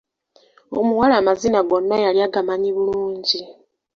Omuwala amazina gonna yali agamanyi bulungi.